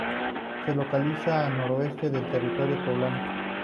Se localiza en el noreste del territorio poblano.